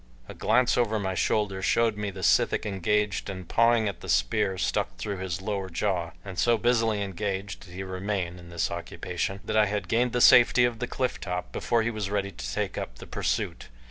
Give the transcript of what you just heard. A glance over my shoulder showed me the sithic engaged in pawing at the spear stuck through his lower jaw, and so busily engaged did he remain in this occupation that I had gained the safety of the cliff top before he was ready to take up the pursuit.